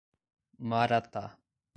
Maratá